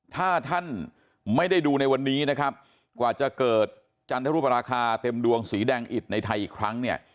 ถ้าท่านไม่ได้ดูในวันนี้นะครับกว่าจะเกิดจันทรุปราคาเต็มดวงสีแดงอิดในไทยอีกครั้งเนี่ย